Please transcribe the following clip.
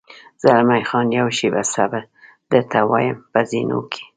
زلمی خان: یوه شېبه صبر، درته وایم، په زینو کې.